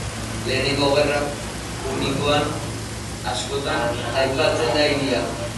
Lehenengo Gerra Punikoan askotan aipatzen da hiria.